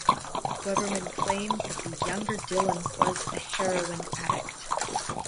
Weberman claimed that the younger Dylan was a heroin addict.